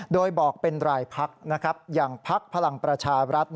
โดยบอกเป็นรายพักอย่างพักพลังประชารัฐ